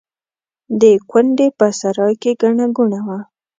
د کونډې په سرای کې ګڼه ګوڼه وه.